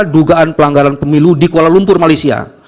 dugaan pelanggaran pemilu di kuala lumpur malaysia